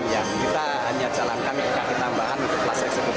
kita hanya jalankan kereta api tambahan untuk kelas eksekutif